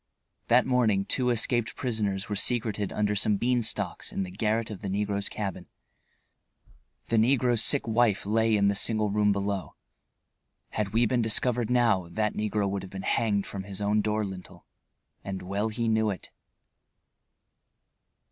That morning two escaped prisoners were secreted under some bean stalks in the garret of the negro's cabin. The negro's sick wife lay in the single room below. Had we been discovered now that negro would have been hanged from his own door lintel. And well he knew it.